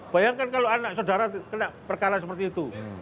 bayangkan kalau anak saudara kena perkara seperti itu